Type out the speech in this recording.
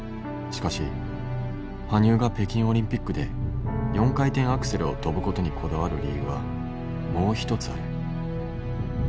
しかし羽生が北京オリンピックで４回転アクセルを跳ぶことにこだわる理由はもう一つある。